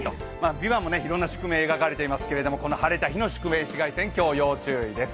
「ＶＩＶＡＮＴ」もいろんな宿命が描かれていますが、この晴れた日の宿命、紫外線も要注意です。